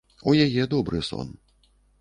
У яе добры сон.